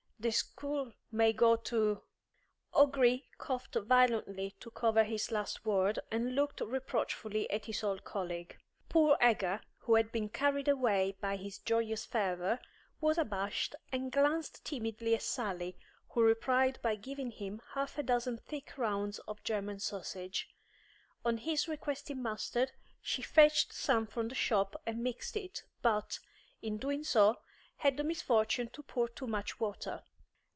The school may go to " O'Gree coughed violently to cover the last word, and looked reproachfully at his old colleague. Poor Egger, who had been carried away by his joyous fervour, was abashed, and glanced timidly at Sally, who replied by giving him half a dozen thick rounds of German sausage. On his requesting mustard, she fetched some from the shop and mixed it, but, in doing so, had the misfortune to pour too much water.